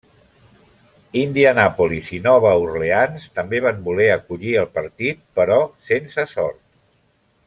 Indianapolis i Nova Orleans també van voler acollir el partit, però sense sort.